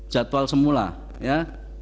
jadwal semula ya